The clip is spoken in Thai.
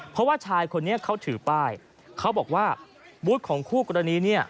เพราะว่าชายคนนี้เขาถือป้ายเขาบอกว่าบูธของคู่กรณีเนี่ย